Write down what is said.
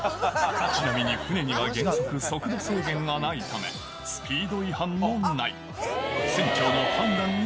ちなみに船には原則、速度制限がないため、スピード違反もない。